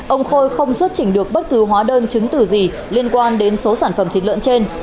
ông khôi không xuất trình được bất cứ hóa đơn chứng từ gì liên quan đến số sản phẩm thịt lợn trên